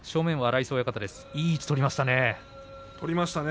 いい位置を取りましたね。